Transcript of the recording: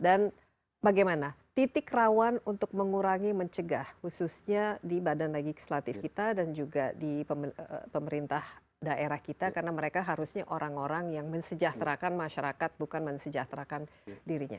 dan bagaimana titik rawan untuk mengurangi mencegah khususnya di badan legislatif kita dan juga di pemerintah daerah kita karena mereka harusnya orang orang yang mensejahterakan masyarakat bukan mensejahterakan dirinya